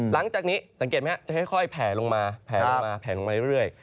หลังจากนี้สังเกตไหมครับจะค่อยแผ่ลงมาเรื่อย